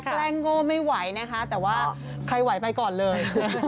แกล้งโง่ไม่ไหวนะคะแต่ว่าใครไหวไปก่อนเลย